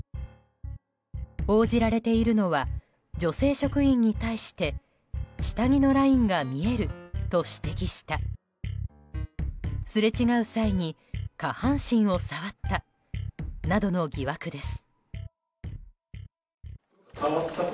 報じられているのは女性職員に対して下着のラインが見えると指摘したすれ違う際に下半身を触ったなどの疑惑です。